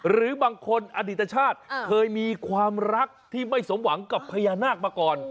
หรือบางคนอดีตชาติเคยมีความรักที่ไม่สมหวังกับพญานาคมาก่อน